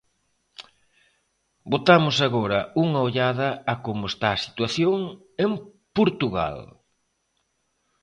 Botamos agora unha ollada a como está a situación en Portugal.